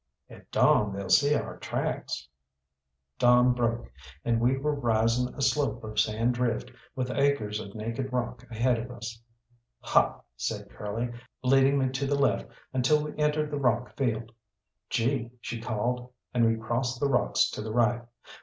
"At dawn they'll see our tracks." Dawn broke, and we were rising a slope of sand drift, with acres of naked rock ahead of us. "Haw!" said Curly, leading me to the left until we entered the rock field. "Gee," she called, and we crossed the rocks to the right.